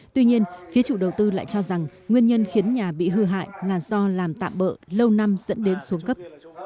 tuy nhiên phía chủ đầu tư lại cho rằng nguyên nhân khiến nhà bị hư hại là do làm tạm bỡ lâu năm dẫn đến xuống cấp